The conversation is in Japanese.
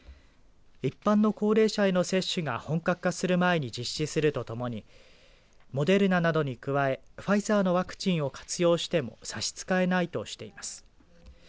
一般の高齢者への接種が本格化する前に実施するとともにモデルナなどに加えファイザーのワクチンを活用しても差し支えないとしています。